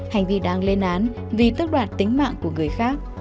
hành vi đáng lên án vì tức đoạt tính mạng của người khác